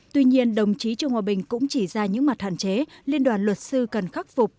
tuy nhiên đồng chí trương hòa bình cũng chỉ ra những mặt hạn chế liên đoàn luật sư cần khắc phục